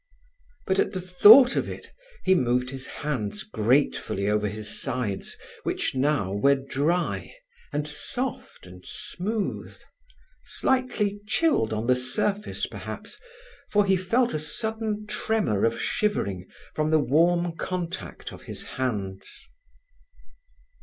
But at the thought of it he moved his hands gratefully over his sides, which now were dry, and soft, and smooth; slightly chilled on the surface perhaps, for he felt a sudden tremor of shivering from the warm contact of his hands.